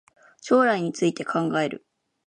将来について考える